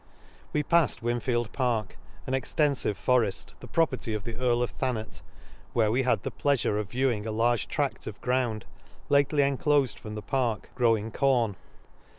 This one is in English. We pafled Whinfield Park, an extenfive foreft, the property of the Earl of Thanet ; where we had the pleafure of viewing a large tradl of ground, lately enclofed from the park, growing corn.